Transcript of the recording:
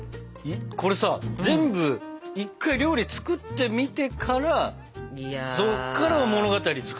これさ全部一回料理作ってみてからそこから物語作るんだ。